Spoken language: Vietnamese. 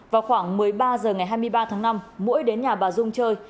vào khoảng một mươi ba h ngày hai mươi ba tháng năm mũi đến nhà bà dung chơi